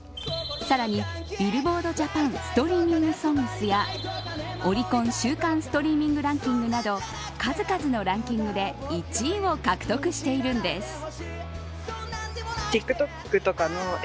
さらにビルボード・ジャパンストリーミングソングスやオリコン週間ストリーミングランキングなど数々のランキングで１位を獲得しているんです。